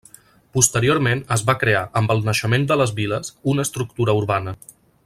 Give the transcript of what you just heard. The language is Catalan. Posteriorment es va crear, amb el naixement de les viles, una estructura urbana.